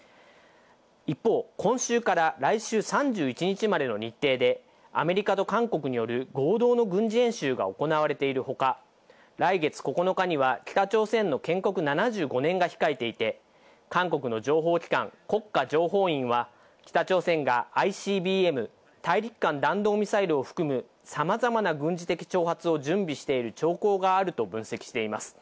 一方、今週から来週３１日までの日程でアメリカと韓国による合同の軍事演習が行われている他、来月９日には北朝鮮の建国７５年が控えていて、韓国の情報機関・国家情報院は北朝鮮がＩＣＢＭ＝大陸間弾道ミサイルを含むさまざまな軍事的挑発を準備している兆候があると分析しています。